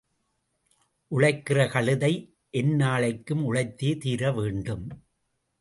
உழைக்கிற கழுதை எந்நாளைக்கும் உழைத்தே தீர வேண்டும்.